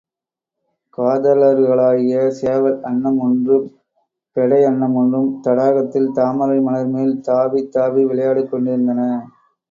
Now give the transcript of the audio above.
காதலர்களாகிய சேவல் அன்னம் ஒன்றும் பெடை அன்னம் ஒன்றும் தடாகத்தில் தாமரை மலர்மேல் தாவித் தாவி விளையாடிக் கொண்டிருந்தன.